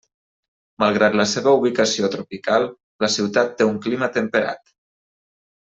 Malgrat la seva ubicació tropical, la ciutat té un clima temperat.